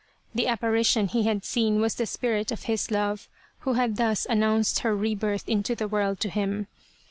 The apparition he had seen was the spirit of his love who had thus announced her rebirth into the world to him.